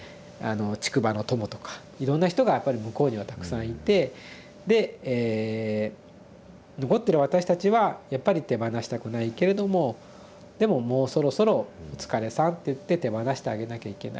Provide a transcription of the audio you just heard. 竹馬の友とかいろんな人がやっぱり向こうにはたくさんいてでえ残ってる私たちはやっぱり手放したくないけれどもでももうそろそろ「お疲れさん」っていって手放してあげなきゃいけない。